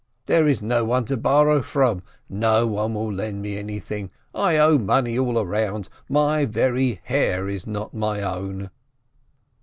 There is no one to borrow from, nobody will lend me anything, I owe money all around, my very hair is not my own."